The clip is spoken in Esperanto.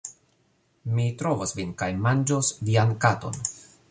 Mi trovos vin kaj manĝos vian katon!